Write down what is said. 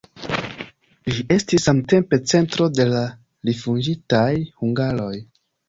Ĝi estis samtempe centro de la rifuĝintaj hungaroj.